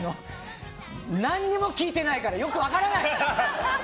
何にも聞いてないからよく分からない！